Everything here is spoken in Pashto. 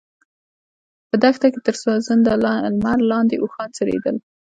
په دښته کې تر سوځنده لمر لاندې اوښان څرېدل.